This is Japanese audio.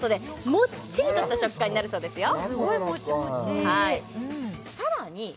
もっちりとした食感になるそうですよだからか！